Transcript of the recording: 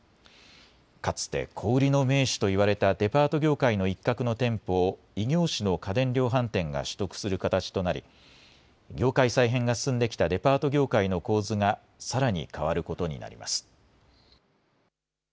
かつて小売りの盟主といわれたデパート業界の一角の店舗を、異業種の家電量販店が取得する形となり、業界再編が続いていたデパート業界の構図が、さらに変わることになります。